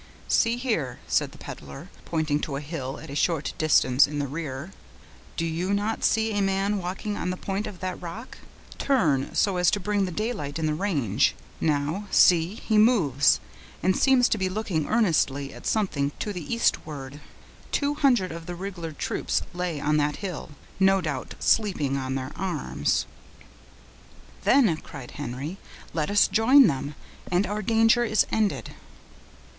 "See here," said the peddler, pointing to a hill, at a short distance in the rear, "do you not see a man walking on the point of that rock? Turn, so as to bring the daylight in the range—now, see, he moves, and seems to be looking earnestly at something to the eastward. That is a royal sentinel; two hundred of the rig'lar troops lay on that hill, no doubt sleeping on their arms." "Then," cried Henry, "let us join them, and our danger is ended."